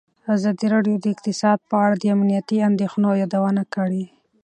ازادي راډیو د اقتصاد په اړه د امنیتي اندېښنو یادونه کړې.